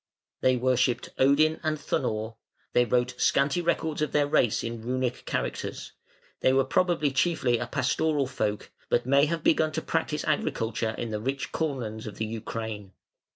They worshipped Odin and Thunnor; they wrote the scanty records of their race in Runic characters; they were probably chiefly a pastoral folk, but may have begun to practise agriculture in the rich cornlands of the Ukraine.